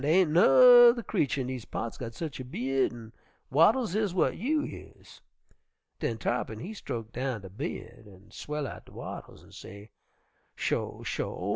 Dar ain' nu'rr creetur in dese parts got such a by'ud an' wattles ez w'at you is.' "Den Tarr'pin he'd stroke down de by'ud an' swell out de wattles an' say, 'Sho! sho!